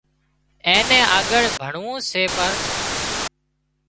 اين نين آڳۯ ڀڻوون سي پر